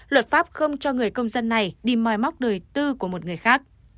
luật pháp không cho người công dân này đi mòi móc đời tư của một người khác